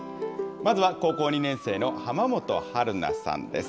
まずは高校２年生の浜本晴菜さんです。